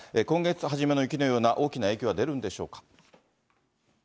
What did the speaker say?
今月初めの雪のような大きな影響は出るんでしょうか。